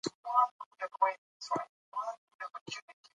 ماشوم له نیکه څخه په مینه کیسې واورېدې